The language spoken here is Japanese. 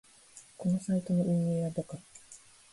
このサイトの運営はバカ